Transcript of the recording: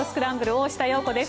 大下容子です。